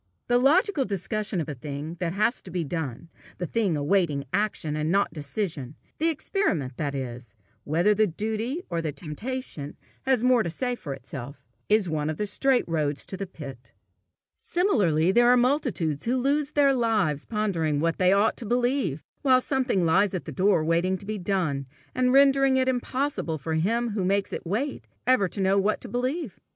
The logical discussion of a thing that has to be done, a thing awaiting action and not decision the experiment, that is, whether the duty or the temptation has the more to say for itself, is one of the straight roads to the pit. Similarly, there are multitudes who lose their lives pondering what they ought to believe, while something lies at their door waiting to be done, and rendering it impossible for him who makes it wait, ever to know what to believe.